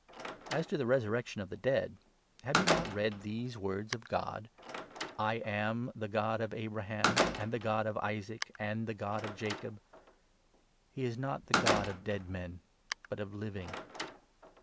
As to the resurrection of the dead, 31 have you not read these words of God —' I am the God of Abraham, and the God of Isaac, and the 32 God of Jacob '? He is not the God of dead men, but of living."